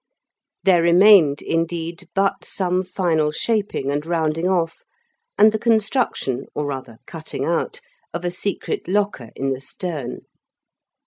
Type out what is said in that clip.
There remained, indeed, but some final shaping and rounding off, and the construction, or rather cutting out, of a secret locker in the stern.